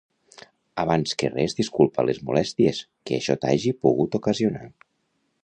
Abans que res disculpa les molèsties que això t'hagi pogut ocasionar.